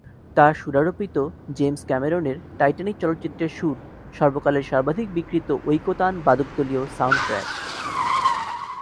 তার সুরারোপিত জেমস ক্যামেরনের "টাইটানিক" চলচ্চিত্রের সুর সর্বকালের সর্বাধিক বিক্রীত ঐকতান বাদকদলীয় সাউন্ডট্র্যাক।